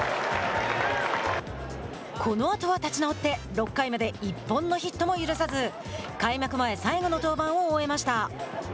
このあとは立ち直って６回まで１本のヒットも許さず開幕前最後の登板を終えました。